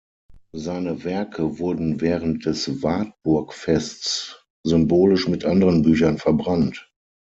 Seine Werke wurden während des Wartburg-Fests symbolisch mit anderen Büchern verbrannt.